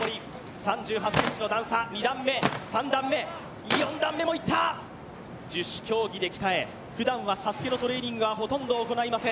３８ｃｍの段差、２段目、３段目、４段目もいった、十種競技で鍛えふだんはＳＡＳＵＫＥのトレーニングはほとんど行いません。